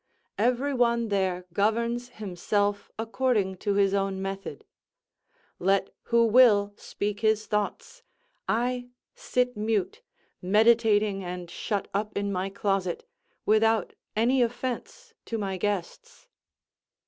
Every one there governs himself according to his own method; let who will speak his thoughts, I sit mute, meditating and shut up in my closet, without any offence to my guests.